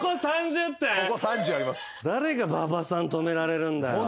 誰が馬場さん止められるんだよ。